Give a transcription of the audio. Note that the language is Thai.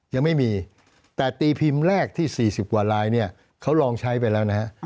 ยังไม่มีแต่ตีพิมพ์แรกที่๔๐กว่าลายเนี่ยเขาลองใช้ไปแล้วนะฮะ